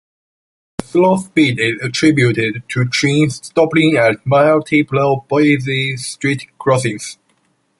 The slow speed is attributed to trains stopping at multiple busy street crossings.